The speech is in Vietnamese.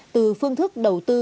từ phương thức đầu tư